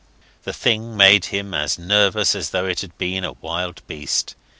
This thing made him as nervous as though it had been a wild beast.